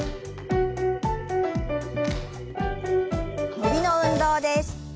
伸びの運動です。